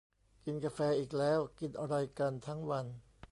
กินกาแฟอีกแล้ว กินอะไรกันทั้งวัน